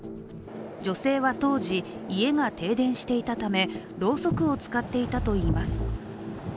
女性は当時、家が停電していたためろうそくを使っていたといいます。